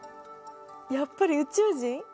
やっぱり宇宙人！？